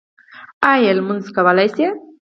ایا لمونځ کولی شئ؟